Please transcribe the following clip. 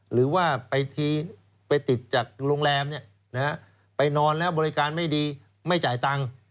หรือว่าไปติดจากโรงแรมไปนอนแล้วบริการไม่ดีไม่จ่ายตังค์